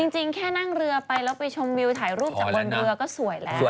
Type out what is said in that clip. จริงแค่นั่งเรือไปแล้วไปชมวิวถ่ายรูปจากบนเรือก็สวยแล้ว